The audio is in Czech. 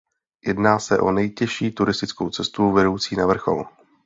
Jedná se o nejtěžší turistickou cestu vedoucí na vrchol.